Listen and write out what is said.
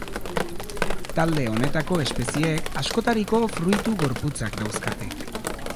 Talde honetako espezieek askotariko fruitu-gorputzak dauzkate.